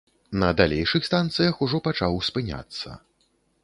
На далейшых станцыях ужо пачаў спыняцца.